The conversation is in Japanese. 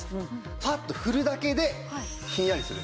パッと振るだけでひんやりするんです。